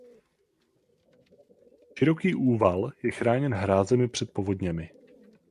Široký úval je chráněn hrázemi před povodněmi.